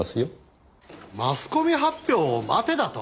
マスコミ発表を待てだと？